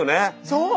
そう！